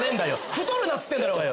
太るなっつってるだろうがよ。